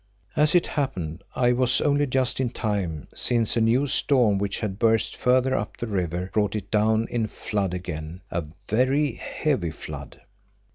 As it happened I was only just in time, since a new storm which had burst further up the river, brought it down in flood again, a very heavy flood.